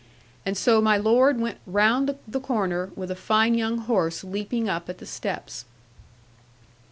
And so my Lord went round the corner, with a fine young horse leaping up at the steps.